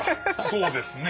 そうですね。